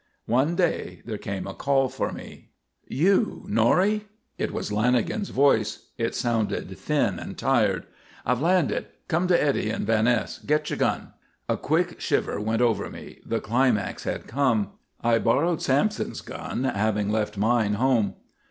One day there came a call for me. "You, Norrie?" It was Lanagan's voice; it sounded thin and tired. "I've landed. Come to Eddy and Van Ness. Got your gun?" A quick shiver went over me. The climax had come. I borrowed Sampson's gun, having left mine home.